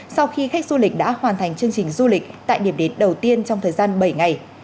sau khi khách du lịch đã hoàn thành chương trình du lịch tại điểm đến đầu tiên trong thời gian bảy ngày